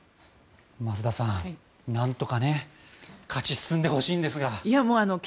増田さん、なんとか勝ち進んでほしいんですが。